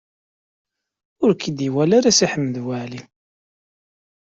Ur k-id-iwala ara Si Ḥmed Waɛli.